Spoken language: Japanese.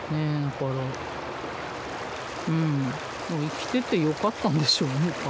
だからうん生きててよかったんでしょうね